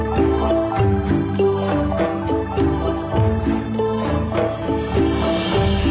ที่สุดท้ายที่สุดท้ายที่สุดท้าย